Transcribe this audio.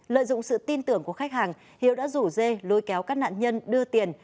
lợi dụng sự tin tưởng của khách hàng hiếu đã rủ dê lôi kéo các nạn nhân đưa tiền